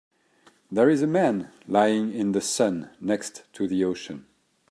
There is a man lying in the sun next to the ocean.